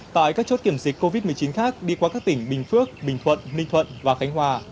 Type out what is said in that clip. tại các chốt kiểm dịch covid một mươi chín khác đi qua các tỉnh bình phước bình thuận ninh thuận và khánh hòa